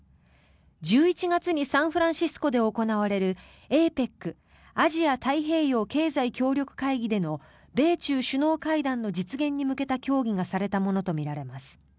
１１月にサンフランシスコで行われるＡＰＥＣ・アジア太平洋経済協力会議での米中首脳会談の実現に向けた協議がされたものとみられます。